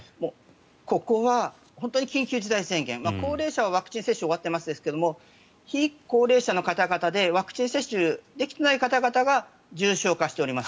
ここは本当に緊急事態宣言高齢者はワクチン接種が終わっていますが非高齢者の方々でワクチン接種できていない方々が重症化しています。